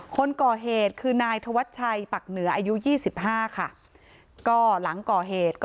คนก่อเหตุคือนายธวัชชัยปักเหนืออายุ๒๕ค่ะก็หลังก่อเหตุก็